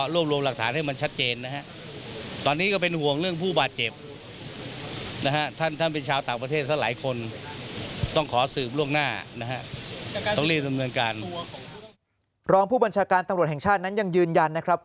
รองผู้บัญชาการตำรวจแห่งชาตินั้นยังยืนยันนะครับ